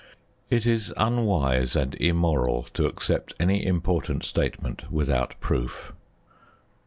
It is unwise and immoral to accept any important statement without proof.